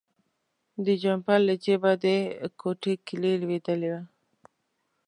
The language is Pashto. د جمپر له جیبه د کوټې کیلي لویدلې وه.